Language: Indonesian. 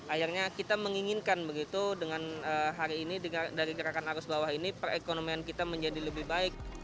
akhirnya kita menginginkan begitu dengan hari ini dari gerakan arus bawah ini perekonomian kita menjadi lebih baik